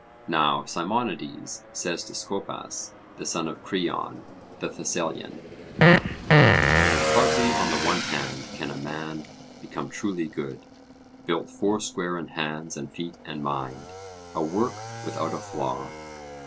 Now Simonides says to Scopas the son of Creon the Thessalian: 'Hardly on the one hand can a man become truly good, built four square in hands and feet and mind, a work without a flaw.'